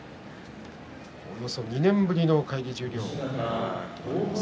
およそ２年ぶりの返り十両です。